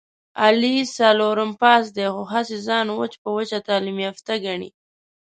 علي څلورم پاس دی، خو هسې ځان وچ په وچه تعلیم یافته ګڼي...